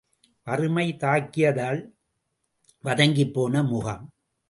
வறுமை தாக்கியதால் வதங்கிப்போன முகம்.